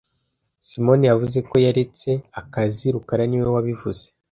Simoni yavuze ko yaretse akazi rukara niwe wabivuze